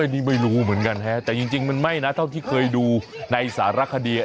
นี่ไม่รู้เหมือนกันฮะแต่จริงมันไม่นะเท่าที่เคยดูในสารคดี